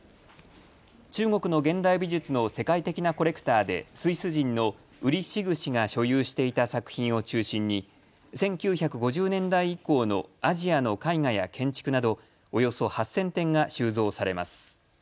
中国の現代美術の世界的なコレクターで、スイス人のウリ・シグ氏が所有していた作品を中心に１９５０年代以降のアジアの絵画や建築などおよそ８０００点が収蔵されます。